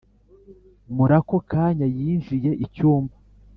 Murako kanya yinjiye icyumba